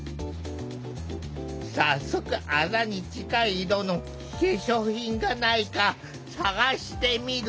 早速あざに近い色の化粧品がないか探してみると。